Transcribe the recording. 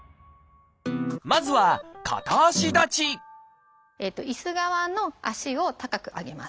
まずはいす側の足を高く上げます。